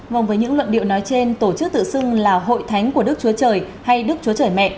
vòng với những luận điệu nói trên tổ chức tự xưng là hội thánh của đức chúa trời hay đức chúa trời mẹ